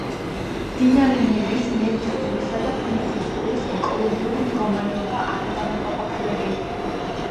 მდინარე ნევის, ნევის ყურისა და ფინეთის ყურის ეკოლოგიური მდგომარეობა არადამაკმაყოფილებელია.